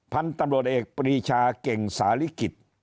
พันธุ์ตำรวจเอกปรีชาเก่งสาริกิจ